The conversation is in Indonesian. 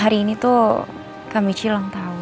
hari ini tuh kami cilang tahu